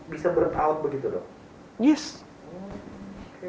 bisa berat awet begitu dok